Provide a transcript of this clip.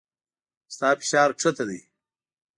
ستا فشار کښته دی